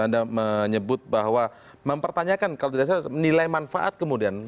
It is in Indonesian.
anda menyebut bahwa mempertanyakan kalau tidak salah nilai manfaat kemudian